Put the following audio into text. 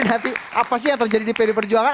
nanti apa sih yang terjadi di dpp pdi perjuangan